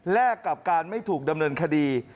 กับการไม่ถูกดำเนินคดี